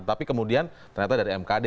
tapi kemudian ternyata dari mkd